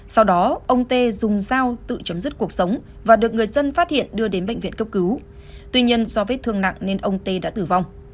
sau đó ông tê dùng dao tự chấm dứt cuộc sống và được người dân phát hiện đưa đến bệnh viện cấp cứu tuy nhiên do vết thương nặng nên ông tê đã tử vong